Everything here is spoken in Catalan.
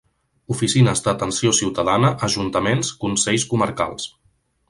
Oficines d'atenció ciutadana, ajuntaments, consells comarcals...